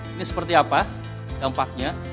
ini seperti apa dampaknya